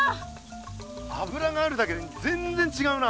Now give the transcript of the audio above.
油があるだけでぜんぜんちがうな！